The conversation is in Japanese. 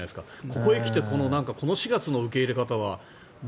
ここへ来てこの４月の受け入れ方は。